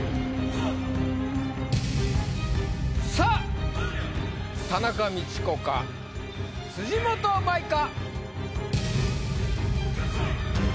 さぁ田中道子か辻元舞か。